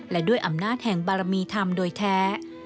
และด้วยอำนาจแห่งบารมีธรรมโดยแท้